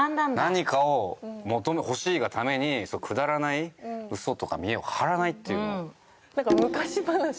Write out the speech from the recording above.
何かを欲しいがためにくだらないウソとか見えを張らないっていうのを。